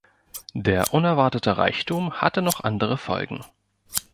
Der unerwartete Reichtum hatte noch andere Folgen.